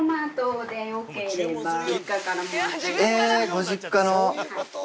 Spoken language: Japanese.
ご実家の！